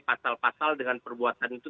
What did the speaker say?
pasal pasal dengan perbuatan itu